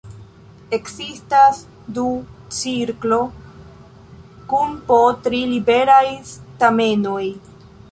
Ekzistas du cirklo kun po tri liberaj stamenoj.